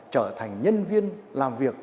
trở thành nhân viên làm việc